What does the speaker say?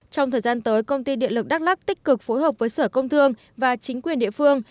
trong thời gian tới công ty điện lực đắk lắc tích cực phối hợp với sở công thương và chính quyền địa phương